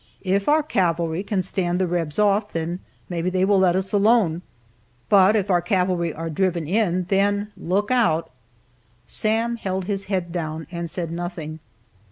If our cavalry can stand the Rebs off, then maybe they will let us alone, but if our cavalry are driven in, then look out." Sam held his head down, and said nothing.